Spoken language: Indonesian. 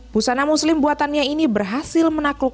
busana muslim buatannya ini berhasil menaklukkan